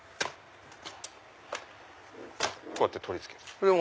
こうやって取り付ける。